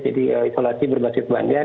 jadi isolasi berbasis bandar